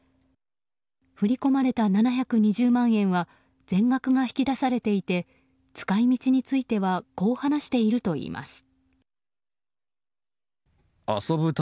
振り込まれた７２０万円は全額が引き出されていて使い道についてはこう話しているといいます。